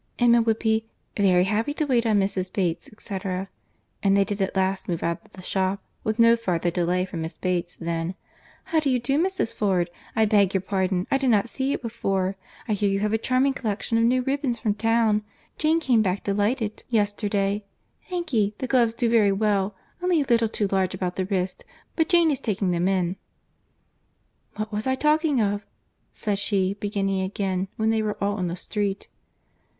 Emma would be "very happy to wait on Mrs. Bates, &c.," and they did at last move out of the shop, with no farther delay from Miss Bates than, "How do you do, Mrs. Ford? I beg your pardon. I did not see you before. I hear you have a charming collection of new ribbons from town. Jane came back delighted yesterday. Thank ye, the gloves do very well—only a little too large about the wrist; but Jane is taking them in." "What was I talking of?" said she, beginning again when they were all in the street.